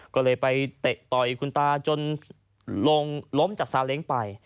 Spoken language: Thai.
ก็เลยไปเตะต่อยคุณตาจนลงล้มจากซาเล้งไป